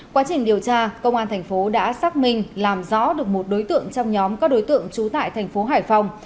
quá trình điều tra công an tp đã xác minh làm rõ được một đối tượng trong nhóm các đối tượng trú tại tp hải phòng